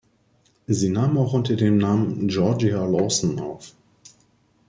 Sie nahm auch unter dem Namen "Georgia Lawson" auf.